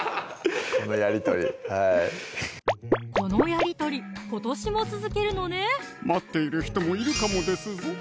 このやり取りはいこのやり取り今年も続けるのね待っている人もいるかもですぞ